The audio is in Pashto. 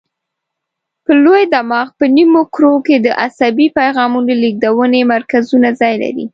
په لوی دماغ په نیمو کرو کې د عصبي پیغامونو لېږدونې مرکزونه ځای لري.